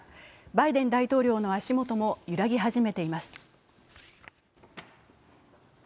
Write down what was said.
バイデン大統領の足元も揺らぎ始めています。